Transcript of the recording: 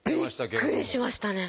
びっくりしましたね。